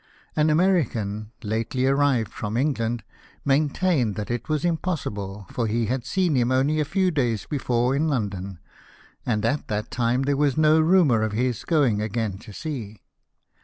An American, lately arrived from England, maintained that it was impossible, for he had seen him only a few days before in London, and at that time there was no rumour of his going again to sea.